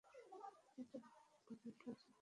এটা ওদের প্ল্যান ছিল।